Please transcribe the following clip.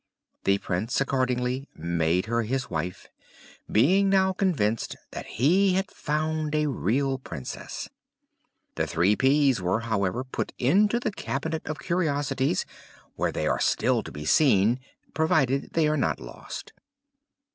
The Prince accordingly made her his wife; being now convinced that he had found a real Princess. The three peas were however put into the cabinet of curiosities, where they are still to be seen, provided they are not lost.